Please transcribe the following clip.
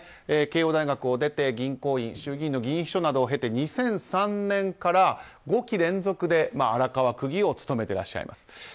慶應大学を出て銀行員衆議院の議員秘書などを経て２００３年から５期連続で区議を務めていらっしゃいます。